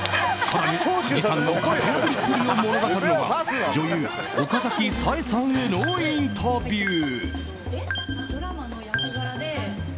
更に久慈さんの型破りっぷりを物語るのが女優・岡崎紗絵さんへのインタビュー。